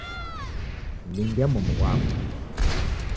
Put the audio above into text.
Lindia momu ghwako